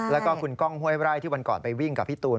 แล้วก็คุณก้องห้วยไร่ที่วันก่อนไปวิ่งกับพี่ตูน